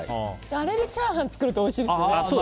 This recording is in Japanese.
あれでチャーハン作るとおいしいですよ。